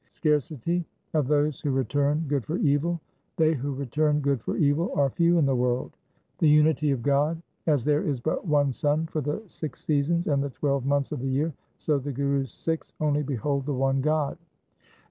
4 Scarcity of those who return good for evil :— They who return good for evil are few in the world. 4 The unity of God :— As there is but one sun for the six seasons and the twelve months of the year, so the Guru's Sikhs only behold the one God.